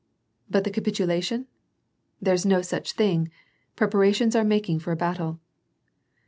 " But the capitulation ?" "There's no such thing. Preparations are making for a battle."